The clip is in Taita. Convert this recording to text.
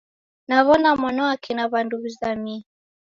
Nawona mwana wake na wandu wizamie